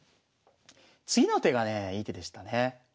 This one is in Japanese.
次の手がねえいい手でしたね。